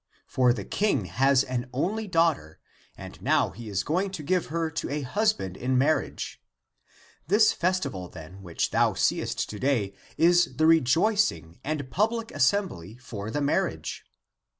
For the King has an only daughter and now he is going to give her to a husband in marriage. This fes tival, then, which thou seest to day, is the rejoic ing and public assembly for the marriage.